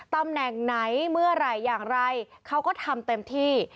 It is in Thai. ตำแหน่งไหนเมื่อไหร่อย่างไรเขาก็ทำเต็มที่